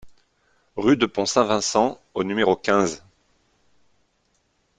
Rue de Pont-Saint-Vincent au numéro quinze